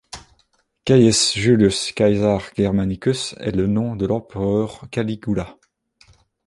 Caius Julius Caesar Germanicus est le nom de l'empereur Caligula.